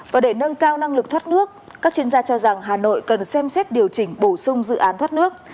và để nâng cao năng lực thoát nước các chuyên gia cho rằng hà nội cần xem xét điều chỉnh bổ sung dự án thoát nước